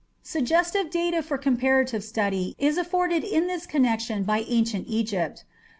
Suggestive data for comparative study is afforded in this connection by ancient Egypt.